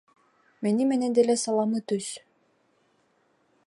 Мени менен деле саламы түз.